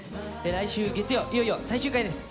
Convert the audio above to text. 来週月曜、いよいよ最終回です。